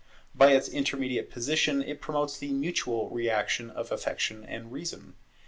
By its intermediate position it promotes the mutual reaction of Affection and Reason.